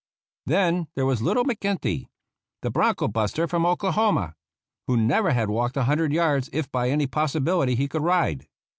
Then there was little McGinty, the bronco bus ter from Oklahoma, who never had walked a hundred yards if by any possibility he could ride.